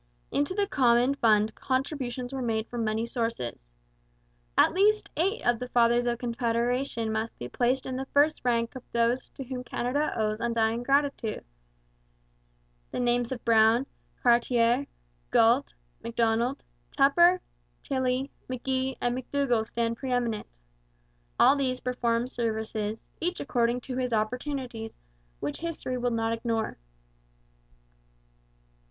Into the common fund contributions were made from many sources. At least eight of the Fathers of Confederation must be placed in the first rank of those to whom Canada owes undying gratitude. The names of Brown, Cartier, Galt, Macdonald, Tupper, Tilley, McGee, and McDougall stand pre eminent. All these performed services, each according to his opportunities, which history will not ignore.